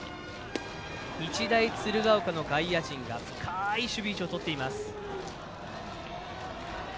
日大鶴ヶ丘の外野陣が深い守備位置をとっています。